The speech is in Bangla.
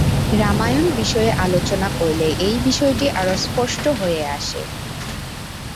রামায়ণ বিষয়ে আলোচনা করলে এই বিষয়টি আরো স্পষ্ট হয়ে আসে।